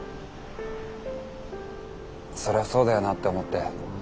そりゃそうだよなって思って。